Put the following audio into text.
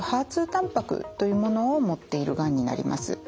２たんぱくというものを持っているがんになります。